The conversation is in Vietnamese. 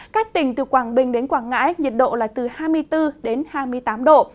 các tỉnh từ quảng bình đến quảng ngãi nhiệt độ là từ hai mươi bốn hai mươi tám độ